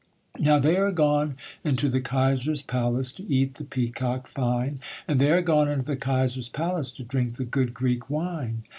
Now they are gone into the Kaiser's palace To eat the peacock fine, And they are gone into the Kaiser's palace To drink the good Greek wine.